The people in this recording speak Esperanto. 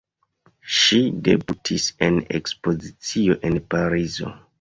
Ŝi debutis en ekspozicio en Parizo.